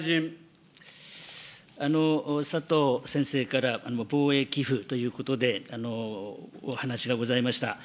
佐藤先生から防衛寄付ということで、お話がございました。